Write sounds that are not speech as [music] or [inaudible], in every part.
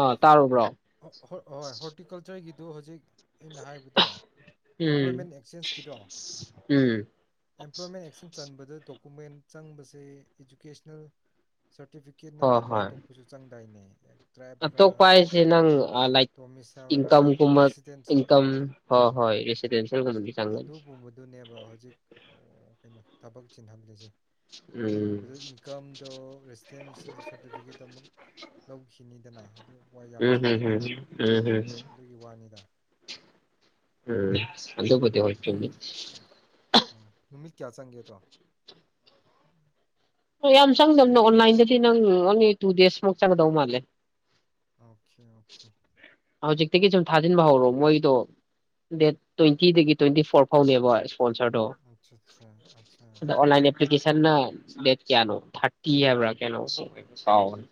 ꯑꯥ ꯇꯥꯔꯨꯕ꯭ꯔꯣ ꯍ ꯍꯣꯏ ꯍꯣꯔꯇꯤꯀꯜꯆꯔꯒꯤ ꯑꯗꯨꯣ ꯍꯧꯖꯤꯛ ꯑꯩꯅ ꯍꯥꯏꯕꯗꯣ ꯎꯝ ꯑꯦꯝꯄ꯭ꯂꯣꯏꯃꯦꯟ ꯑꯦꯛꯆꯦꯟꯁꯀꯤꯗꯣ ꯎꯝ ꯑꯦꯝꯄ꯭ꯂꯣꯏꯃꯦꯟ ꯑꯦꯛꯆꯦꯟꯖ ꯆꯟꯕꯗ ꯗꯣꯀꯨꯃꯦꯟ ꯆꯪꯕꯁꯦ ꯏꯗꯨꯀꯦꯁꯅꯦꯜ ꯁꯔꯇꯤꯐꯤꯀꯦꯠ ꯍꯣꯏ ꯅꯠꯇꯕ ꯍꯣꯏ ꯑꯇꯣꯞꯄꯁꯨ ꯆꯪ ꯇꯥꯏꯅꯦ ꯇ꯭ꯔꯦꯄ꯭ꯔꯥ ꯑꯇꯣꯞꯄ ꯍꯥꯏꯁꯦ ꯅꯪ ꯑ ꯂꯥꯏ ꯏꯟꯀꯝꯒꯨꯝꯕ ꯔꯦꯁꯤꯗꯦꯟꯁꯦꯜ ꯏꯟꯀꯝ ꯍꯣꯏ ꯔꯦꯁꯤꯗꯦꯟꯁꯦꯜ ꯒꯨꯝꯕꯗꯤ ꯆꯪꯉꯤ ꯫ ꯑꯗꯨꯒꯨꯝꯕꯗꯨꯅꯦꯕ ꯍꯧꯖꯤꯛ ꯑꯣ, ꯀꯩꯅꯣ ꯊꯕꯛ ꯆꯤꯟꯍꯜꯂꯤꯖꯦ ꯑꯗꯨꯒꯨꯝꯕꯗꯨ ꯏꯟꯀꯝꯗꯣ ꯔꯦꯁꯤꯗꯦꯟꯁꯤꯌꯦꯜ ꯁꯥꯔꯇꯤꯐꯤꯀꯦꯠ ꯑꯃꯛ ꯂꯧꯈꯤ ꯅꯤꯗ ꯑꯗꯨ ꯃꯣꯏ ꯎꯝ ꯎꯝ ꯎꯝ ꯎꯝ ꯋꯥꯅꯤꯗ ꯎꯝ꯫ ꯎꯝ꯫ ꯑꯗꯨꯕꯨꯗꯤ ꯍꯣꯏ ꯆꯨꯝꯃꯤ꯫ ꯅꯨꯃꯤꯠ ꯀꯌꯥ ꯆꯥꯡꯉꯦ ꯗꯣ? ꯍ ꯌꯥꯝ ꯆꯪꯗꯝꯕꯅꯦ ꯑꯣꯟꯂꯥꯏꯟꯗꯗꯤ ꯅꯪ ꯇꯨ ꯗꯦꯁ ꯃ ꯆꯪꯒꯗ ꯎ ꯃꯥꯂꯦ꯫ ꯍꯧꯖꯤꯛꯇꯒꯤ ꯁꯨꯝ ꯊꯥꯖꯤꯟꯕ ꯍꯧꯔꯣ ꯃꯣꯏꯗꯣ ꯗꯦꯠ ꯇ꯭ꯋꯦꯟꯇꯤꯗꯒꯤ ꯇ꯭ꯋꯦꯟꯇꯤ ꯐꯣꯔ ꯐꯥꯎꯅꯦꯕ ꯫ [unintelligible] ꯑꯣꯟ ꯂꯥꯏꯅ ꯑꯁꯦꯞꯂꯣꯀꯦꯁꯟ ꯍꯦꯟꯅꯥ ꯗꯦꯠ ꯀꯌꯥꯒꯤ ꯊꯦꯔꯇꯤ ꯍꯥꯏꯕꯔꯥ ꯀꯌꯥꯅꯣ ꯀꯥꯎ ꯒ ꯔꯦ꯫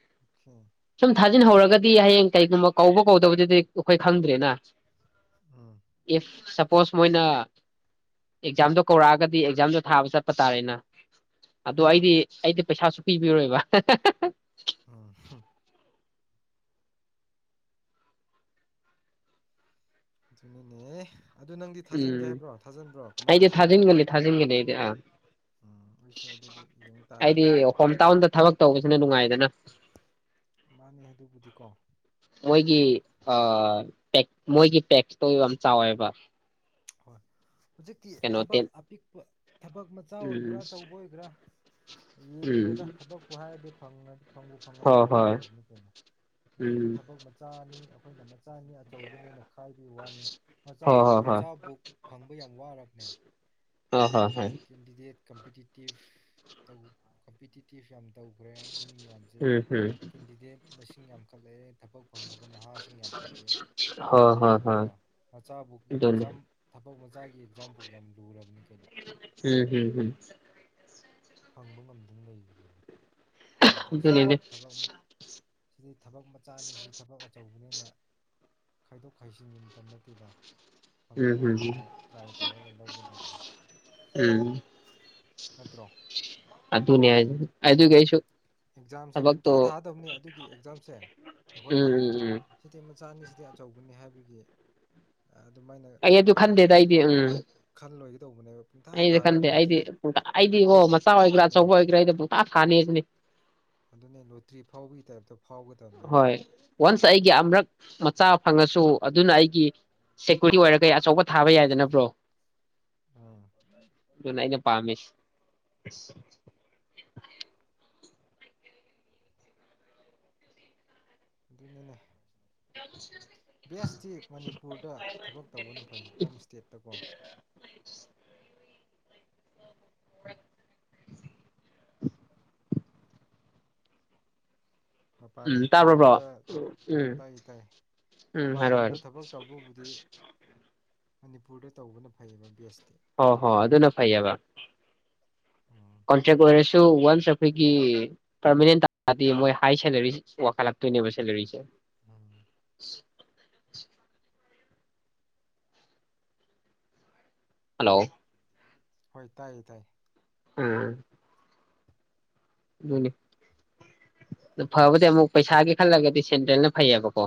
[inaudible] ꯊꯥꯖꯤꯟꯍꯧꯔꯒꯗꯤ ꯍꯌꯦꯡ ꯀꯩꯒꯨꯝꯕ ꯀꯧꯕ ꯀꯧꯗꯕꯗꯨꯗꯤ ꯑꯩꯈꯣꯏ ꯈꯪꯗ꯭ꯔꯦꯅ ꯏꯐ ꯁꯄꯣꯁ ꯃꯣꯏꯅ ꯑꯦꯛꯖꯥꯝꯗꯣ ꯀꯧꯔꯛꯑꯒꯗꯤ ꯑꯦꯛꯖꯥꯝꯗꯣ ꯊꯥꯕ ꯆꯠꯄ ꯇꯥꯔꯦꯅ ꯑꯗꯣ ꯑꯩꯗꯤ ꯑꯩꯗꯤ ꯄꯩꯁꯥꯁꯨ ꯄꯤꯕꯤꯔꯣꯏꯕ ꯑꯗꯨꯅꯤꯅꯦ ꯑꯗꯨ ꯅꯪꯗꯤ ꯊꯥꯖꯤꯟꯒꯦ ꯎꯝ ꯍꯥꯏꯕ꯭ꯔꯣ ꯊꯥꯖꯤꯟꯕ꯭ꯔꯣ ꯀꯃꯥꯏꯅ ꯇꯧꯒꯦ? ꯑ꯫ ꯎꯝ. ꯑꯩꯁꯨ ꯑꯗꯨꯗꯤ ꯌꯦꯡ ꯇꯥꯔꯦ. ꯑꯩꯗꯤ ꯍꯣꯝ ꯇꯥꯎꯟꯗ ꯊꯕꯛ ꯇꯧꯕꯁꯤꯅ ꯅꯨꯡꯉꯥꯏꯗꯅ꯫ ꯃꯥꯅꯦ ꯑꯗꯨꯕꯨꯗꯤꯀꯣ ꯃꯣꯏꯒꯤ ꯃꯣꯏꯒꯤꯄꯦꯛ ꯄꯦꯛꯇꯣ ꯌꯥꯝ ꯆꯥꯎꯋꯦꯕ꯫ ꯍꯣꯏ꯫ ꯍꯧꯖꯤꯛꯀꯤ ꯀꯩꯅꯣ ꯊꯕꯛ ꯇꯦꯟ ꯑꯄꯤꯛꯄ ꯊꯕꯛ ꯃꯆꯥ ꯑꯣꯏꯒꯦꯔꯥ ꯎꯝ ꯑꯆꯧꯕ ꯑꯣꯏꯒꯦꯔꯥ ꯎꯝ ꯌꯦꯡꯗ꯭ꯔꯦꯗ ꯊꯕꯛꯄꯨ ꯍꯥꯏꯔꯗꯤ ꯐꯪꯕꯨ ꯐꯪꯉꯗꯤ ꯍꯣꯏ ꯂꯥꯏꯕꯛ ꯍꯣꯏ ꯐꯕꯅꯤ ꯀꯩꯅꯣ ꯍꯧꯖꯤꯛꯇꯤ ꯎꯝ ꯊꯕꯛ ꯃꯆꯥꯅꯤ ꯑꯩꯈꯣꯏꯅ ꯃꯆꯥꯅꯤ ꯑꯆꯧꯕꯅꯦꯅ ꯈꯥꯏꯕꯒꯤ ꯋꯥꯅꯤ ꯃꯆꯥ ꯍꯣꯏ ꯍꯣꯏ ꯑꯆꯥꯕꯨꯛ ꯐꯪꯕ ꯌꯥꯝ ꯋꯥꯔꯕꯅꯦ ꯍꯣꯏ ꯍꯣꯏ ꯍꯣꯏ ꯍꯣꯏ ꯀꯦꯟꯗꯤꯗꯦꯠ ꯀꯝꯄꯤꯇꯤꯇꯤꯞ ꯇꯧ ꯀꯝꯄꯤꯇꯤꯇꯤꯞ ꯌꯥꯝ ꯇꯧꯈ꯭ꯔꯦ ꯃꯤ ꯃꯌꯥꯝꯁꯦ ꯎꯝ ꯎꯝ ꯀꯦꯟꯗꯤꯗꯦꯠ ꯃꯁꯤꯡ ꯌꯥꯝꯈꯠ ꯂꯛꯑ ꯊꯕꯛ ꯐꯪꯗꯕ ꯅꯍꯥꯁꯤꯡ ꯌꯥꯝꯈꯠꯂꯛꯑꯦ ꯍꯣꯏ ꯍꯣꯏ ꯍꯣꯏ ꯅꯠꯇ꯭ꯔ ꯃꯆꯥꯕꯨ ꯑꯦꯛꯖꯥꯝ [unintelligible] ꯊꯕꯛ ꯃꯆꯥꯒꯤ ꯑꯦꯛꯖꯥꯝꯕꯨꯛ ꯌꯥꯝ ꯂꯨꯔꯕꯅꯤ꯫ ꯀꯩꯅꯣ ꯎꯝ ꯍꯝ꯫ ꯐꯪꯕ ꯉꯝꯗꯨꯅ ꯂꯩꯔꯤꯅꯤꯅꯦ ꯑꯗꯨꯗ ꯁꯤꯗꯤ ꯑꯗꯨꯅꯤꯅꯦ ꯊꯕꯛ ꯁꯤꯗꯤ ꯊꯕꯛ ꯃꯆꯥꯅꯤ ꯁꯤꯗꯤ ꯊꯕꯛ ꯑꯆꯧꯕꯅꯤ ꯑꯩꯅ ꯈꯥꯏꯗꯣꯛ ꯈꯥꯏꯖꯤꯟꯒꯤ ꯃꯇꯝ ꯅꯠꯇꯦꯗ ꯎꯝ ꯐꯪꯕ ꯎꯝ ꯐꯪꯕꯗꯣ ꯇ꯭ꯔꯥꯏ ꯇꯧꯔꯒ ꯂꯧꯕꯗꯕꯨ ꯎꯝ ꯅꯠꯇ꯭ꯔꯣ ꯑꯗꯨꯅꯤꯌꯥ ꯑ ꯑꯗꯨꯨ ꯀꯩꯁꯨ ꯑꯦꯛꯖꯥꯝꯁꯦ ꯄꯨꯡꯊꯥ ꯊꯥꯗꯕꯅꯤ ꯑꯗꯨꯒꯤ ꯑꯦꯛꯖꯥꯝꯁꯦ ꯎꯝ ꯑꯩꯈꯣꯏꯅ ꯎꯝ ꯎꯝ ꯁꯤꯗꯤ ꯃꯆꯥꯅꯤꯁꯤꯗꯤ ꯑꯆꯧꯕꯅꯤ ꯍꯥꯏꯕꯒꯤ ꯑꯗꯨꯃꯥꯏꯅ ꯑꯩ ꯈꯜꯂꯣꯏ ꯑꯩꯩꯅ ꯈꯟꯗꯦ ꯑꯩꯗꯤ ꯄ ꯑꯩꯗꯤ ꯑꯣ ꯃꯆꯥ ꯑꯣꯏꯒ꯭ꯔꯥ ꯑꯗꯨꯅꯦ ꯑꯆꯧꯕ ꯑꯣꯏꯒꯦꯔꯥ ꯑꯩꯗ ꯄꯧꯇꯥꯛ ꯊꯥꯅꯦꯕꯅꯦ ꯑꯗꯨꯅꯦ ꯂꯣꯇ꯭ꯔꯤ ꯐꯥꯎꯕꯒꯤ ꯇꯥꯏꯞꯇ ꯐꯥꯎꯒꯗꯕꯅꯦꯕ ꯍꯣꯏ ꯑꯗꯣ ꯋꯥꯟꯁ ꯑꯩꯒꯤ ꯑꯃꯨꯔꯛ ꯃꯆꯥ ꯎꯝ ꯐꯪꯉꯁꯨ ꯑꯗꯨꯅ ꯑꯩꯒꯤ ꯁꯦꯀ꯭ꯌꯨꯔꯤꯇꯤ ꯑꯣꯏꯔꯒ ꯑꯆꯧꯕ ꯊꯥꯕ ꯌꯥꯏꯗꯅꯕ꯭ꯔꯣ ꯑꯥ ꯑꯗꯨꯅ ꯑꯩꯅ ꯄꯥꯝꯃꯦꯁ ꯑ ꯑꯗꯨꯅꯤꯅꯦ ꯅꯃꯁ ꯕꯦꯁꯇꯤ ꯃꯅꯤꯄꯨꯔꯗ ꯊꯕꯛ ꯇꯧꯕꯅ ꯐꯩ ꯍꯣꯝ ꯏꯁꯇꯦꯠꯇꯀꯣ [unintelligible] ꯃꯄꯥꯟ ꯎꯝ ꯇꯥꯕ꯭ꯔꯣ ꯕ꯭ꯔꯣ ꯂꯝꯗ ꯎꯝ ꯊꯕꯛ ꯎꯝ ꯋꯥꯇꯥꯏ ꯇꯥꯏ ꯎꯝ ꯃꯄꯜ ꯍꯥꯏꯔꯣ ꯂꯝꯗ ꯍꯥꯏꯔꯣ ꯊꯕꯛ ꯇꯧꯕꯕꯨꯗꯤ ꯃꯅꯤꯄꯨꯔꯗ ꯇꯧꯕꯅ ꯐꯩꯌꯦꯕ ꯕꯦꯁꯇꯣ ꯍꯣ ꯍꯣ ꯑꯗꯨꯅ ꯐꯩꯑꯕ ꯎꯝ ꯀꯣꯟꯇ꯭ꯔꯦꯛ ꯑꯣꯏꯔꯁꯨ ꯋꯥꯟꯁ ꯑꯩꯈꯣꯏꯒꯤ ꯄꯔꯃꯅꯦꯟ ꯇꯥꯗꯤ ꯃꯣꯏ ꯍꯥꯏ ꯁꯦꯂꯔꯤ ꯋꯥꯈꯠꯂꯛꯇꯣꯏꯅꯦꯕ ꯁꯦꯂꯔꯤꯁꯦ ꯎꯝ [unintelligible] ꯍꯜꯂꯣ ꯍꯣꯏ ꯇꯥꯏꯌꯦ ꯇꯥꯏꯌꯦ ꯎꯝ ꯑ ꯐꯕꯗꯤ ꯑꯃꯨꯛ ꯄꯩꯁꯥꯒꯤ ꯈꯜꯂꯒꯗꯤ ꯁꯦꯟꯇ꯭ꯔꯦꯜꯅ ꯐꯩꯌꯦꯕꯀꯣ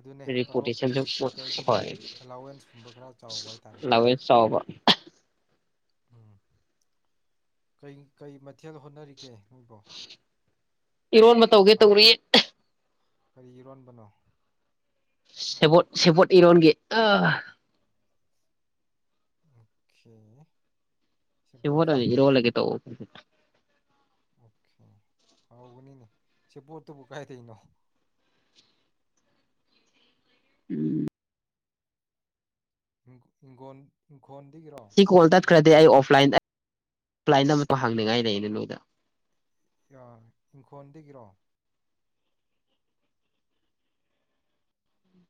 ꯑꯗꯨꯅꯦ ꯇꯣꯂꯣꯞꯇꯤ ꯔꯤꯄꯨꯇꯦꯁꯟꯁꯨ ꯁꯦꯟꯇꯔꯒꯤꯅ ꯍꯣꯏ ꯑꯦꯂꯥꯎꯋꯦꯟꯁ ꯐꯨꯝꯕ ꯈꯔ ꯆꯥꯎꯕ ꯍꯥꯏꯇꯥꯔꯦ ꯑꯦꯂꯥꯎꯋꯦꯟꯁ ꯆꯥꯎꯕ ꯎꯝ ꯀꯩ ꯀꯩ ꯃꯊꯦꯜ ꯍꯣꯠꯅꯔꯤ ꯏꯔꯣꯟꯕ ꯇꯧꯒꯦ ꯑ ꯇꯧꯔꯤ ꯀꯔꯤ ꯏꯔꯣꯟꯕꯅꯣ ꯁꯦꯄꯣꯠ ꯁꯦꯄꯣꯠ ꯏꯔꯣꯟꯣꯟꯒꯤ ꯑ ꯑꯣꯦ ꯁꯤ ꯍꯣꯂ ꯔꯣꯑꯣ ꯂꯒꯦ ꯇ ꯑꯣꯦ ꯍꯥꯎꯒꯅꯤꯅꯦ ꯁꯤ ꯄꯣꯠꯇꯨꯕꯨ ꯀꯥꯏ ꯊꯩꯅꯣ ꯎꯝ ꯏꯒꯣꯟ ꯐꯣꯟꯗꯒꯤꯔꯣ ꯑ ꯑꯩ ꯑꯣꯐꯂꯥꯏꯟꯗ ꯑꯣꯂꯥꯏꯟꯗ ꯑꯃꯇ ꯍꯥꯡꯅꯤꯡꯉꯥꯏ ꯂꯩꯩꯅ ꯅꯣꯏꯗ ꯑ ꯏꯪꯈꯣꯜꯗꯒꯤꯔꯣ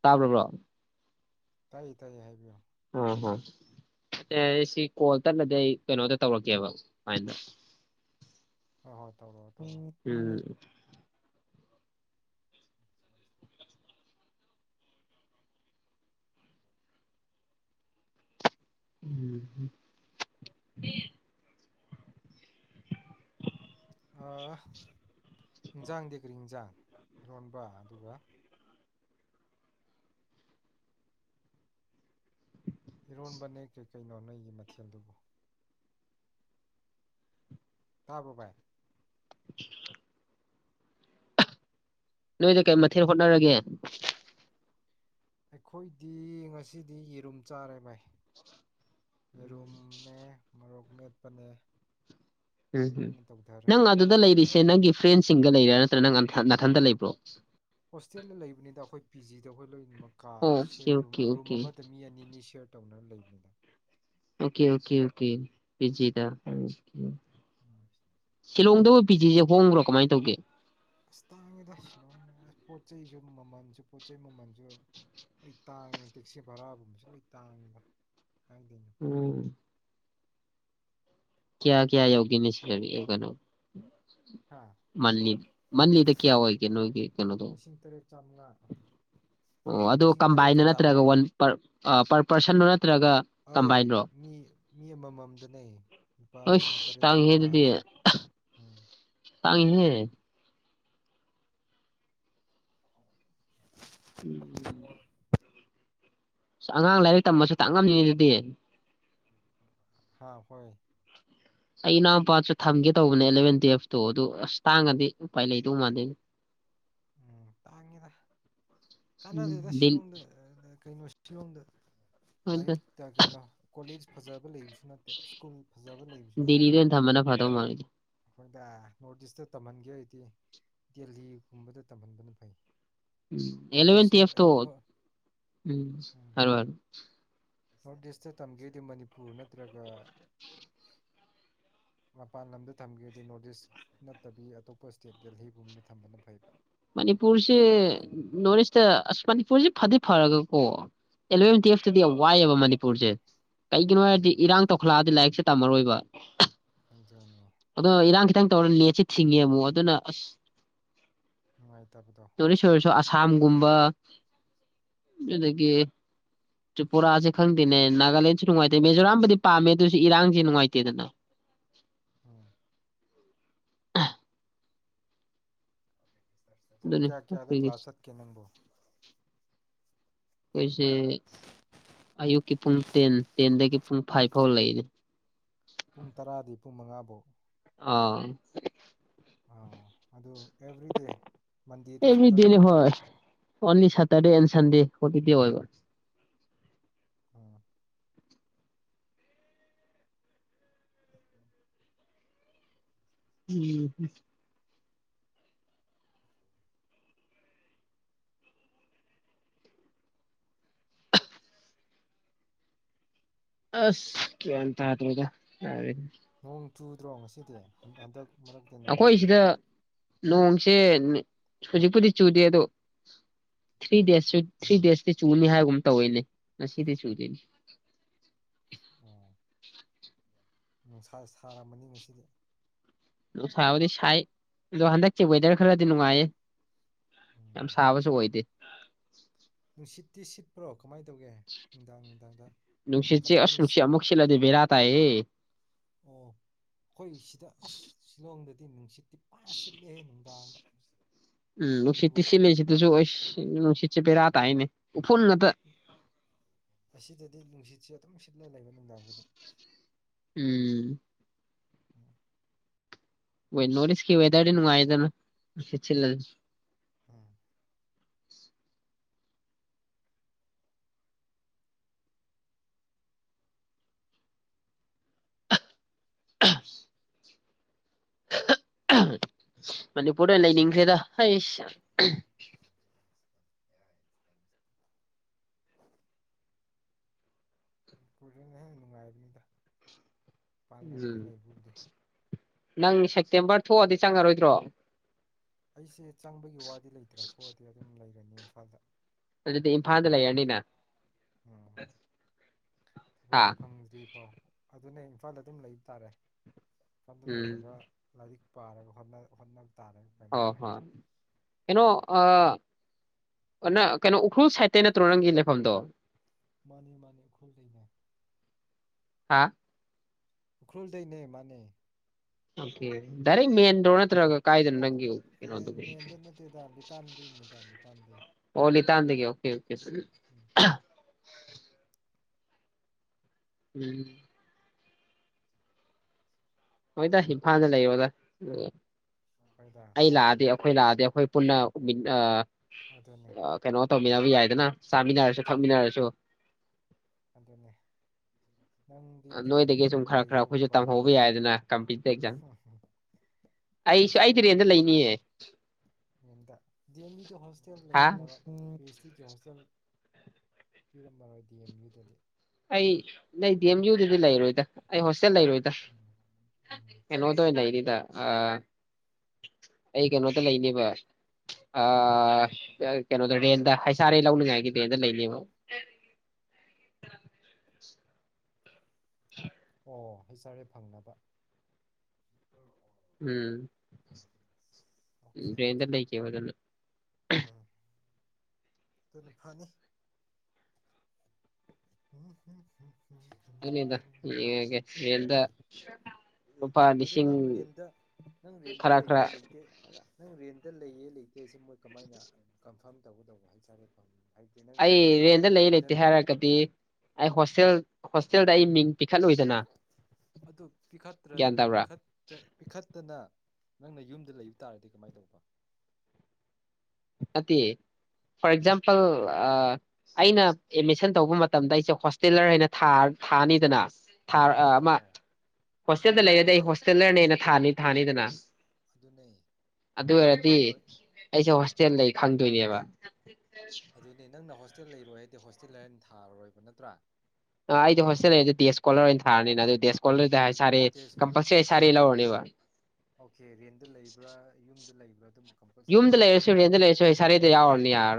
ꯇꯥꯕ꯭ꯔꯕ꯭ꯔꯣ ꯇꯥꯏꯌꯦ ꯇꯥꯏꯌꯦ ꯍꯥꯏꯕꯤꯌꯣ ꯑꯣ ꯍꯣ ꯑꯩ ꯁꯤ ꯀꯣꯜ ꯇꯠꯂꯗꯤ ꯑꯩ ꯀꯩꯅꯣꯗ ꯇꯧꯔꯛꯀꯦꯕ ꯑꯗꯨꯥꯏꯅ ꯍ ꯍꯣꯏ ꯇꯕꯣ ꯎꯝ ꯎꯝ ꯏꯟꯖꯥꯡꯗꯤ ꯀꯔꯤ ꯌꯦꯟꯖꯥꯡ ꯏꯔꯣꯟꯕ ꯑꯗꯨꯒ ꯏꯔꯣꯟꯕꯅꯦ ꯀꯔꯤꯀꯩꯅꯣ ꯅꯪꯒꯤ ꯃꯊꯦꯜꯗꯨꯕꯨ ꯇꯥꯕꯕꯥ [unintelligible] ꯅꯣꯏꯗ ꯀꯩ ꯃꯊꯦꯜ ꯍꯣꯠꯅꯔꯒꯦ ꯑꯩꯈꯣꯏꯗꯤ ꯉꯁꯤꯗꯤ ꯌꯦꯔꯨꯝ ꯆꯥꯔꯦ ꯃꯥꯏ ꯌꯦꯔꯨꯝꯅꯦ ꯃꯔꯣꯛ ꯃꯦꯠꯄꯅꯦ ꯑꯗꯨ ꯎꯝꯝ ꯑꯣꯏꯅ ꯇꯧꯊꯔꯦ ꯅꯪ ꯑꯗꯨꯗ ꯂꯩꯔꯤꯁꯦ ꯅꯪ ꯒꯤꯐ ꯐ꯭ꯔꯦꯟꯁꯤꯡꯒ ꯂꯩꯔꯥ ꯅꯠꯇ꯭ꯔꯅ ꯅꯥꯊꯟꯗ ꯂꯩꯕ꯭ꯔꯣ ꯍꯣꯁꯇꯦꯜꯗ ꯂꯩꯕꯅꯤꯗ ꯑꯩꯈꯣꯏ ꯄꯤ ꯖꯤꯗ ꯑꯩꯈꯣꯏ ꯂꯣꯏꯅꯃꯛ ꯀꯥ ꯑꯣꯀꯦ ꯑꯣꯀꯦ ꯔꯨꯝ ꯑꯣꯀꯦ ꯑꯃꯗ ꯃꯤ ꯑꯅꯤꯅꯤ ꯁꯠ ꯇꯧ ꯂꯩꯕꯅꯤꯗ ꯑꯣꯀꯦ ꯑꯣꯀꯦ ꯑꯣꯀꯦꯗ [unintelligible] ꯁꯤꯂꯣꯡꯗꯕꯨ ꯄꯤꯖꯤꯤꯁꯦ ꯍꯣꯡꯕ꯭ꯔꯣ ꯀꯃꯥꯏꯅ ꯇꯧꯒꯦ ꯇꯥꯡꯗ ꯌꯥ ꯄꯣꯠ ꯆꯩꯁꯨ ꯃꯃꯜꯁꯨ ꯄꯣꯠ ꯆꯩꯩ ꯃꯃꯜꯁꯨ ꯑꯩ ꯇꯥꯡꯉꯤ ꯇꯦꯛꯁꯤ ꯚꯔꯥꯒꯨꯝꯕꯁꯨ ꯂꯣꯏ ꯇꯥꯡꯉꯤꯗ ꯀꯥꯏꯗꯩꯅꯣ ꯎꯝ ꯀꯌꯥ ꯀꯌꯥ ꯌꯒ ꯃꯤ ꯁꯤ ꯌꯒꯅ ꯍꯥ ꯃ ꯃꯅꯤꯂꯤꯗ ꯀꯌꯥ ꯑꯣꯏ ꯀ ꯀꯩꯅ ꯊ ꯂꯤꯁꯤꯡ ꯇꯔꯦꯠ ꯆꯥꯝꯃꯉꯥ ꯑꯣ ꯑꯗꯨ ꯂꯤꯁꯤꯡ ꯇꯔꯦꯠꯀ ꯀꯝꯕꯥꯏꯟꯗ ꯅꯠꯇ꯭ꯔꯒ ꯋꯥꯟ ꯄ ꯄꯔ ꯄꯔꯁꯟ ꯍꯣꯏ ꯃꯤ ꯃꯤ ꯑꯃꯃꯝꯗꯅꯦ ꯂꯨꯄꯥ ꯂꯤꯁꯤꯡ ꯑꯩꯁ ꯇꯔꯦꯠ ꯆꯥꯃꯉꯥ ꯍꯥꯏꯁꯦ ꯎꯝ ꯆꯥꯡꯉꯍꯦ ꯑ ꯑꯉꯥꯡ ꯂꯥꯏꯔꯤꯛ ꯇꯝꯕꯁꯨ ꯇꯥꯛꯉꯝꯅꯤꯅꯤ ꯑꯗꯨꯗꯤ ꯑꯈꯣꯏ ꯑꯩ ꯏꯅꯥꯎꯄꯥꯁꯨ ꯊꯝꯒꯦ ꯇꯧꯕꯅꯦ ꯑꯦꯂꯚꯦꯟ ꯇꯨꯌꯦꯜꯐꯇꯣ ꯑꯗꯨ ꯑꯁ ꯇꯥꯡꯉꯗꯤ ꯎꯄꯥꯏ ꯂꯩꯗꯧ ꯃꯥꯥꯟꯗꯣꯏꯅꯦ ꯎꯝ ꯇꯥꯡꯉꯤꯗ ꯀꯥꯟꯅꯗꯦꯗ ꯁꯤꯂꯣꯗ ꯀꯩꯅꯁꯤꯤꯗ ꯂꯥꯏꯔꯤꯛꯇ ꯀꯩꯅꯣ ꯀꯣꯂꯦꯖ ꯐꯖꯕ ꯂꯩꯕꯁꯨ ꯅꯠꯇꯦ ꯁ꯭ꯀꯨꯜ ꯐꯖꯕ ꯂꯩꯕꯁꯨ ꯅꯠꯇꯦ ꯗꯦꯜꯂꯤꯗ ꯑꯣꯏꯅ ꯊꯝꯕꯅ ꯐꯗꯧ ꯃꯥꯜꯂꯦ ꯑꯩꯗ ꯅꯣꯔꯠ ꯏꯁꯇ ꯇꯝꯍꯟꯒꯦ ꯍꯥꯏꯔꯗꯤ ꯗꯦꯍꯤꯒꯨꯝꯕꯗ ꯇꯝꯍꯟꯕꯅ ꯐꯩ ꯑꯦꯂ ꯍꯔ ꯍꯔ ꯅꯣꯔꯠ ꯏꯁꯇ ꯇꯝꯒꯦꯗꯤ ꯃꯅꯤꯄꯨꯔ ꯅꯠꯇ꯭ꯔꯒ ꯃꯄꯥꯟ ꯂꯝꯗ ꯊꯝꯒꯗꯤ ꯅꯣꯔꯠ ꯏꯁ ꯅꯠꯇꯕꯤ ꯑꯇꯣꯞꯄ ꯏꯁꯇꯦꯠ ꯗꯦꯜꯍꯤꯒꯨꯝꯕꯗ ꯊꯝꯕꯅ ꯐꯩꯕ ꯃꯅꯤꯄꯨꯔꯁꯦ ꯅꯣꯔꯠ ꯏꯁꯇ ꯑꯁ ꯃꯅꯤꯄꯨꯔꯁꯦ ꯐꯗꯤ ꯐꯔꯒꯀꯣ ꯑꯦꯂꯚꯦꯟ ꯇꯨꯌꯦꯜꯐꯇꯗꯤ ꯌꯥꯝ ꯋꯥꯏꯑꯦꯕ ꯃꯅꯤꯄꯨꯔꯁꯦ ꯀꯩꯒꯤꯅꯣ ꯍꯥꯏꯔꯗꯤ ꯎꯝ ꯏꯔꯥꯡ ꯇꯧꯈꯂꯛꯑꯗꯤ ꯂꯥꯏꯔꯤꯛꯁꯦ ꯇꯝꯃꯔꯣꯏꯕ ꯑꯗꯨꯅꯤ ꯑꯗꯨꯗ ꯏꯔꯥꯡ ꯍꯈꯤꯇ ꯇ ꯂꯁꯤ ꯊꯤꯡꯉꯦ ꯑꯃꯨꯛ ꯑꯗꯨꯅ ꯑꯁ ꯅꯨꯡꯉꯥꯏꯇꯕꯗꯣ ꯇꯣꯔꯤꯁꯔꯁꯨ ꯑꯁꯥꯝꯒꯨꯝꯕ ꯅꯗꯒꯤ ꯇ꯭ꯔꯤꯄꯨꯔꯥꯥꯁꯦ ꯈꯪꯗꯦꯅꯦ ꯅꯥꯒꯥꯂꯦꯟꯁꯨ ꯅꯨꯡꯉꯥꯏꯇꯦ ꯃꯤꯖꯣꯔꯥꯝꯕꯨꯗꯤ ꯄꯥꯝꯃꯦ ꯑꯗꯨꯏꯁꯨ ꯏꯔꯥꯡꯁꯦ ꯅꯨꯡꯉꯥꯏꯇꯦꯗꯅ ꯎꯝ [unintelligible] ꯇꯨꯡ ꯑꯗꯨꯅꯤ ꯀꯌꯥ ꯀꯌꯥꯗ ꯑꯩꯈꯣꯏꯒꯤ ꯀ꯭ꯂꯥꯁꯠ ꯀꯦ ꯅꯪꯕꯣ ꯑꯩꯈꯣꯏꯁꯦ ꯑꯌꯨꯛꯀꯤ ꯄꯨꯡ ꯇꯦꯟ ꯇꯦꯟꯗꯒꯤ ꯄꯨꯡ ꯐꯥꯏꯚ ꯐꯥꯎ ꯂꯩꯅꯦ ꯄꯨꯡ ꯇꯔꯥꯗꯤ ꯄꯨꯡ ꯃꯉꯥꯐꯧ ꯑꯥ ꯑ ꯑꯗꯨꯗ ꯑꯦꯃꯤꯗꯤꯅꯤ ꯍꯔ ꯑꯣꯅꯤ ꯇꯗꯤ ꯑꯦꯟꯁꯟꯗꯦ ꯍꯀꯤꯗꯤ ꯑꯣꯏꯕ ꯎꯝ ꯎꯝ ꯑꯁ ꯀ ꯍꯥ꯭ꯔꯗ ꯅꯣꯡ ꯆꯨꯗ꯭ꯔꯣ ꯉꯁꯤꯗꯤ ꯍꯟꯗꯛ ꯃꯔꯛꯇ ꯅꯣꯡ ꯑꯩꯈꯣꯏ ꯁꯤꯗ ꯆꯨꯗ꯭ꯔꯣ ꯅꯣꯡ ꯁꯦ ꯍꯧꯖꯤꯛꯄꯨꯗꯤ ꯆꯨꯗꯦ ꯑꯗꯣ ꯊ꯭ꯔꯤ ꯗꯦꯖ ꯊ꯭ꯔꯤ ꯎꯝ ꯗꯦꯖꯇꯤ ꯆꯨꯅꯤ ꯍꯥꯏꯕꯒꯨꯝ ꯇꯧꯋꯤꯅꯦ ꯉꯁꯤꯗꯤ ꯆꯨꯗꯣꯏꯅꯤ ꯑꯣ ꯁꯥꯔꯝꯃꯅꯤ ꯉꯁꯤꯗꯤ ꯁꯥꯕꯗꯤ ꯁꯥꯏ ꯑꯗꯣ ꯍꯟꯗꯛꯁ ꯋꯦꯗꯔ ꯈꯔꯗꯤ ꯅꯨꯡꯉꯥꯏꯌꯦ ꯌꯥꯝ ꯁꯥꯕꯁꯨ ꯑꯣꯏꯗꯦ ꯁꯤ ꯇꯁꯤꯠꯄ꯭ꯔꯣꯛ ꯅꯨꯡꯁꯤ ꯀꯟ ꯆꯦ ꯀꯟꯅ ꯑꯁꯅꯨꯡꯁꯤ ꯁꯤꯠ ꯑ ꯃꯣꯁꯤꯂꯗꯦꯕ ꯔ ꯇꯑꯌꯦ ꯑꯣ ꯍꯣꯏ ꯁꯤꯗ ꯑꯁ ꯁꯤꯂꯣꯡꯗꯗꯤ ꯅꯨꯡꯁꯤ ꯄꯥꯁꯤꯜꯂꯦ ꯅꯨꯡꯗꯥꯡ ꯎꯝ ꯁꯇ ꯁꯤꯃꯦꯁꯤ ꯇꯁꯨ [unintelligible] ꯆꯦ ꯄꯦ ꯔ ꯎꯝ ꯍꯥꯏꯅꯦ ꯎꯐ ꯉꯇ ꯁꯤꯠꯅ ꯂꯩꯕ ꯅꯨꯡꯗꯥꯡꯕꯨꯗ ꯎꯝ ꯣꯏ ꯅꯣꯁꯀꯤ ꯑꯣꯏꯦꯗꯔꯥꯏꯗꯅ ꯎꯝ [unintelligible] ꯃꯅꯤꯄꯨꯔ ꯑꯣꯏꯅ ꯂꯩꯅꯤꯡꯁꯤꯦꯗꯁ ꯈꯨꯔꯅꯦ ꯅꯨꯅꯨꯡꯉꯥꯏꯕꯤ ꯎꯝ ꯅꯪ ꯁꯦꯞꯇꯦꯝꯕꯔ ꯊꯣꯛꯑꯗꯤ ꯆꯪꯉꯔꯣꯏꯗ꯭ꯔꯣ ꯑꯩꯁꯦ ꯆꯪꯕꯒꯤ ꯋꯥꯗꯤ ꯂꯩꯇ꯭ꯔꯥ ꯊꯣꯛꯑꯗꯤ ꯑꯗꯨꯝ ꯂꯩ ꯏꯝꯐꯥꯜꯗ ꯑꯗꯨꯗꯤ ꯏꯝꯐꯥꯜꯗ ꯂꯩꯔꯅꯤꯅ ꯎꯝ ꯊꯕꯛ ꯍꯥ ꯐꯪꯗ꯭ꯔꯤ ꯄꯥꯎ ꯑꯗꯨꯅꯦ ꯏꯝꯐꯥꯜꯗ ꯑꯗꯨꯝ ꯂꯩꯕ ꯇꯥꯔꯦ ꯃꯇꯝꯗ ꯎꯝ ꯂꯩꯔꯕ ꯂꯥꯏꯔꯤꯛ ꯄꯥꯔꯒ ꯍꯣꯠꯅ ꯍꯣꯠꯅꯕ ꯇꯥꯔꯦ ꯎꯄꯥꯏ ꯑꯣ ꯂꯩꯇ꯭ꯔꯦ ꯍꯣꯏ ꯀꯩꯅꯣ ꯅꯪ ꯀꯩꯅꯣ ꯎꯈ꯭ꯔꯨꯜ ꯁꯥꯏꯠꯇ ꯅꯠꯇ꯭ꯔꯣ ꯅꯪꯒꯤ ꯂꯩꯐꯝꯗꯣ ꯃꯥꯅꯤ ꯃꯥꯅꯤ ꯈꯣꯜ ꯂꯩꯅꯦ ꯍꯥ ꯎꯈ꯭ꯔꯨꯜꯗꯅꯦ ꯃꯥꯅꯦ ꯑꯣꯀꯦ ꯗꯗꯥꯏꯔꯦꯛ ꯃꯦꯟ ꯔꯣꯠꯇꯒ ꯀꯥꯏꯗꯅ ꯅꯪ ꯃꯦꯟ ꯃꯦꯟꯗ ꯅꯠꯇꯦꯗ ꯂꯤꯇꯥꯟꯗꯩꯅꯤꯗ ꯂꯤꯇꯥꯟꯗꯩ ꯑꯣꯂꯤ ꯇꯗ ꯑꯣꯀꯦꯦ ꯎꯝ ꯎꯝ ꯍꯣꯏꯗ ꯏꯝꯐꯥꯜꯗ ꯂꯩ ꯑꯣꯗ ꯍꯣꯏꯗ ꯑꯂ ꯑꯗ ꯑꯩꯈꯣꯏ ꯂꯥꯛꯑꯗꯤ ꯑꯩꯈꯣꯏ ꯄꯨꯟꯅ ꯑꯗꯨꯅꯦ ꯑ ꯀꯩꯅꯣ ꯇꯃꯤꯅꯕꯤ ꯌꯥꯥꯏꯗꯅ ꯆꯥꯃꯤꯟꯅꯔꯁꯨ ꯊꯛꯃꯤꯟꯅꯔꯁꯨ ꯑꯗꯨꯗꯅꯦ ꯅꯪꯗꯤ ꯗꯤ ꯑꯦꯝ ꯅꯣꯏꯗꯒꯤ ꯌꯨꯗ ꯁꯨꯝ ꯑꯃꯨꯛ ꯈꯔ ꯈꯔ ꯑꯩꯈꯣꯏꯁꯨ ꯂꯩꯒꯗꯧꯕꯀꯣꯝ ꯇꯝꯍꯧꯕ ꯌꯥꯏꯗꯅ ꯀꯝꯄꯤꯇꯤꯇꯤꯞ ꯑꯦꯛꯖꯥꯝ ꯑꯗꯨ ꯑꯩꯁꯨ ꯑꯩ ꯇꯨꯔꯦꯟꯗ ꯂꯩꯅꯤꯌꯦ ꯇꯧꯦꯝ ꯍꯁ ꯍꯥ ꯑꯁꯤꯒꯤ ꯍꯣꯁꯇꯦꯜ ꯄꯤꯔꯝꯃꯔꯣꯏꯗꯤꯦꯝ ꯑꯗꯨ ꯑꯩ ꯅ ꯗꯤ ꯑꯦꯝ ꯌꯨꯗꯨꯗꯤ ꯂꯩꯔꯣꯏꯗ ꯑꯩ ꯍꯣꯁꯇꯦꯜ ꯂꯩꯔꯣꯏꯗ꯭ꯔꯥ ꯎꯝ ꯎꯝ ꯀꯩꯅꯣꯗ ꯑꯣꯏꯅ ꯂꯩꯔꯤ ꯑꯩ ꯀꯩꯅꯣꯗ ꯂꯩꯅꯦꯕ ꯀꯩꯅꯣꯗ ꯔꯦꯟꯗ ꯍꯩꯁꯥꯔꯩ ꯂꯧꯅꯤꯡꯉꯥꯏꯒꯤ ꯔꯦꯟꯗ ꯂꯩꯅꯦꯕ ꯎ ꯑꯣ ꯍ ꯆꯔꯦ ꯐꯪꯅꯕ ꯑꯣꯀꯦ ꯎꯝ ꯦꯟꯗ꯭ꯔ ꯂꯩꯏ ꯀꯦꯕ ꯑꯗꯨꯅ ꯗꯨꯅ ꯐꯅꯤ [unintelligible] ꯑꯗꯨꯅꯤꯗ ꯌꯦꯡꯉꯒꯦ ꯔꯦꯟꯗ ꯂꯨꯄꯥ ꯑꯗꯨ ꯂꯤꯁꯤꯡ ꯅꯪ ꯔꯦꯟꯗ ꯅꯪ ꯔꯦꯟꯗ ꯈꯔ ꯈꯔ ꯂꯩꯌꯦ ꯂꯩꯇꯦ ꯅꯪ ꯔꯦꯟ ꯗ ꯂꯩꯌꯦ ꯂꯩꯇꯦ ꯍꯥꯏꯁꯤ ꯃꫭꯏ ꯀꯃꯥꯏꯅ ꯀꯝ ꯐꯥꯝ ꯇꯒꯗꯧꯕ ꯍꯩ ꯆꯥꯔꯦ ꯐꯝ ꯑꯩ ꯔꯦꯟꯗ ꯂꯩ ꯂꯩꯇꯦ ꯍꯥꯏꯔꯒꯗꯤ ꯑꯩ ꯍꯣꯁꯇꯦꯜ ꯍꯣꯁꯇꯦꯜꯗ ꯑꯩ ꯃꯤꯡ ꯄꯤꯈꯠꯂꯣꯏꯗꯅ ꯑꯗꯨ ꯄꯤꯈꯠꯇ‌꯭ꯔ ꯒ꯭ꯌꯥꯟ ꯅ ꯇꯥꯕ꯭ꯔꯥ ꯄꯤꯈꯠꯇ ꯄꯤꯈꯠꯇꯅ ꯅꯪꯅ ꯌꯨꯝꯗ ꯂꯩꯕ ꯇꯥꯔꯗꯤ ꯀꯃꯥꯏ ꯇꯧꯕ ꯅꯠꯇꯦ ꯐꯣꯔ ꯑꯦꯛꯖꯥꯝꯄꯜ ꯑ ꯑꯩꯅ ꯑꯦꯠꯃꯤꯁꯟ ꯇꯧꯕ ꯃꯇꯝꯗ ꯑꯩꯁꯦ ꯍꯣꯁꯇꯦꯂꯔ ꯍꯥꯏꯅ ꯊꯥ ꯊꯥꯅꯤꯗꯅ ꯥ ꯊꯥꯔ ꯍꯣꯏ ꯑ ꯍꯣꯏ ꯃ ꯍꯣꯏ ꯑꯗꯨ ꯍꯣꯁꯇꯦꯜꯗ ꯅꯪ ꯂꯩꯔꯗꯤ ꯑꯩ ꯍꯣꯁꯇꯦꯜ ꯍꯣꯁꯇꯦꯜꯂꯔꯅꯦꯅ ꯊꯥꯅꯤ ꯊꯥꯅꯤꯗꯅ ꯑꯗꯨꯅꯦ ꯑꯗꯨ ꯑꯣꯏꯔꯗꯤ ꯑꯩꯁꯦ ꯑꯥ ꯍꫭꯁ ꯆꯦꯟ ꯂꯩ ꯈꯪꯗꯣꯏꯅꯦꯕ ꯑꯗꯨꯅꯦ ꯅꯪꯅ ꯍꯣꯁꯇꯦꯜ ꯂꯩꯔꯣꯏ ꯍꯥꯏꯗꯤ ꯍꯣꯁꯇꯦꯜ ꯂꯔꯅ ꯊꯔꯣꯏꯕ ꯅꯠꯇ꯭ꯔꯥ ꯑ ꯑꯩꯗꯤ ꯍꫭꯁꯇꯦꯜ ꯂꯩꯔꯁꯨ ꯗꯦꯁ꯭ꯀꯣꯂꯔ ꯑꯣꯏꯅꯟ ꯊꯔꯅꯤ ꯅ ꯑꯗꯨ ꯗꯦꯁ ꯑꯗꯨꯗꯤ ꯇꯦꯖ ꯐꫭꯔꯦ ꯂꯧꯔꯅꯦꯕ ꯑꯣꯀꯦ ꯔꯦꯟꯗ ꯂꯩꯕ꯭ꯔꯥ ꯌꯨꯝ ꯑꯗꯨ ꯂꯩꯕ꯭ꯔꯥ ꯑꯗꯨꯝ ꯀꯝꯄꯜꯁꯔꯤ ꯌꯨꯝꯗ ꯍꯩꯆ ꯑꯥꯔ ꯂꯩꯔꯁꯨ ꯂꯧꯔꯅꯤ ꯔꯦꯟꯗ ꯂꯩꯔꯁꯨ ꯍꯦ ꯁꯔꯦꯗꯨ ꯌꯥꯎꯔꯝꯅꯤ ꯌꯥꯔ